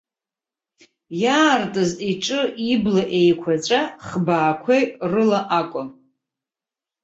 Иаартыз иҿи ибла еиқәаҵәа хбаақәеи рыла акәын.